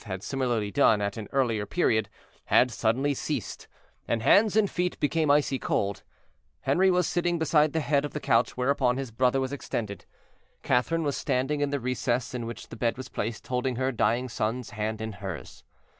had similarly done at an earlier period, had suddenly ceased, and hands and feet became icy cold. Henri was sitting beside the head of the couch whereon his brother was extended. Catherine was standing in the recess in which the bed was placed, holding her dying son's hand in hers.